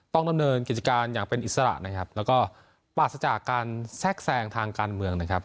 ต้องดำเนินกิจการอย่างเป็นอิสระนะครับแล้วก็ปราศจากการแทรกแทรงทางการเมืองนะครับ